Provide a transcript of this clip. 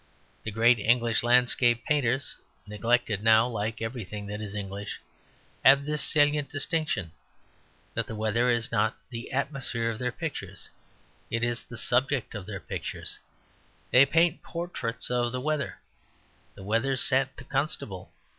The great English landscape painters (neglected now like everything that is English) have this salient distinction: that the Weather is not the atmosphere of their pictures; it is the subject of their pictures. They paint portraits of the Weather. The Weather sat to Constable.